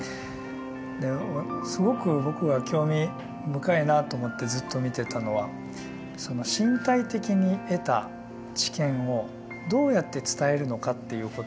すごく僕が興味深いなと思ってずっと見てたのはその身体的に得た知見をどうやって伝えるのかっていうこと。